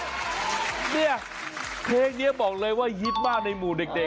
เนี่ยเพลงนี้บอกเลยว่าฮิตมากในหมู่เด็ก